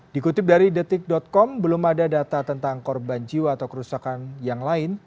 dikutip dari detik com belum ada data tentang korban jiwa atau kerusakan yang lain